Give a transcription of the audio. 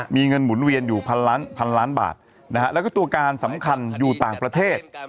มีเงินหมุนเวียนอยู่พันล้านบาทนะฮะแล้วก็ตัวการสำคัญอยู่ต่างประเทศ